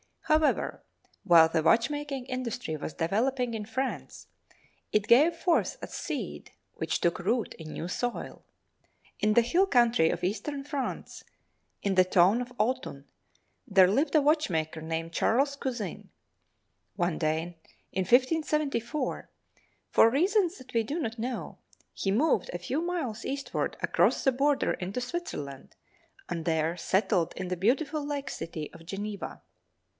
However, while the watchmaking industry was developing in France, it gave forth a seed which took root in new soil. In the hill country of eastern France, in the town of Autun, there lived a watchmaker named Charles Cusin. One day, in 1574, for reasons that we do not know, he moved a few miles eastward across the border into Switzerland and there settled in the beautiful lake city of Geneva.